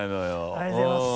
ありがとうございます。